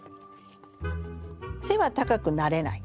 背は高くなれない。